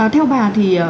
theo bà thì